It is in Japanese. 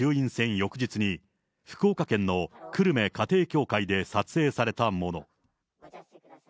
翌日に、福岡県の久留米家庭教会で撮影されたもの。